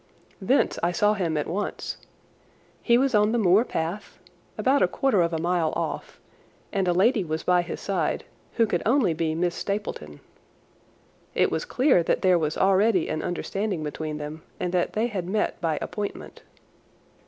Thence I saw him at once. He was on the moor path about a quarter of a mile off, and a lady was by his side who could only be Miss Stapleton. It was clear that there was already an understanding between them and that they had met by appointment.